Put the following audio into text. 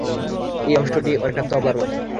এই অংশটি অনেকটা তবলার মতো।